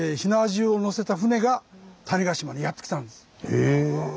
へえ。